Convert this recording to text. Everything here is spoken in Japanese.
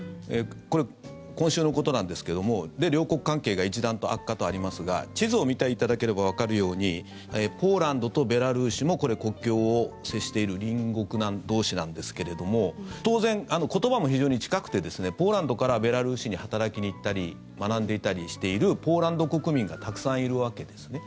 これ、今週のことなんですけども両国関係が一段と悪化とありますが地図を見ていただければわかるようにポーランドとベラルーシもこれ、国境を接している隣国同士なんですけれども当然、言葉も非常に近くてポーランドからベラルーシに働きに行ったり学んでいたりしているポーランド国民がたくさんいるわけですね。